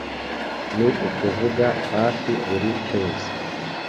ni ukuvuga hafi buri kwezi